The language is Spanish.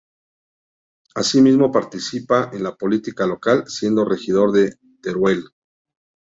Asimismo participa en la política local, siendo regidor de Teruel.